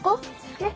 ねっ。